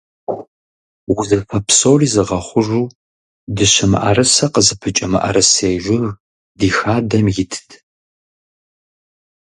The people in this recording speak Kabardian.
Узыфэ псори зыгъэхъужу дыщэ мыӀэрысэ къызыпыкӀэ мыӀэрысей жыг ди хадэм итт.